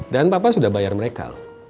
dan papa sudah bayar mereka